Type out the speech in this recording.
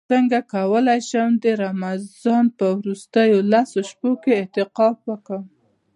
څنګه کولی شم د رمضان په وروستیو لسو شپو کې اعتکاف وکړم